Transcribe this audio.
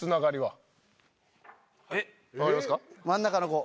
真ん中の子。